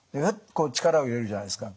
こう力を入れるじゃないですか。